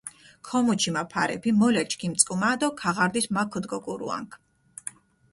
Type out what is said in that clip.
ქომუჩი მა ფარეფი, მოლა ჩქიმიწკჷმა დო ქაღარდის მა ქდჷგოგურუანქ.